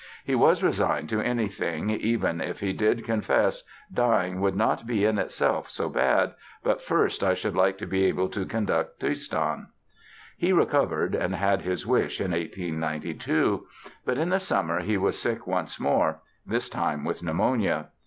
He was resigned to anything, even if he did confess: "Dying would not be in itself so bad, but first I should like to be able to conduct Tristan!" He recovered and had his wish in 1892. But in the summer he was sick once more, this time with pneumonia.